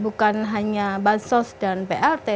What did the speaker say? bukan hanya bansos dan plt